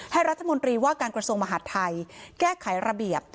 รัฐมนตรีว่าการกระทรวงมหาดไทยแก้ไขระเบียบ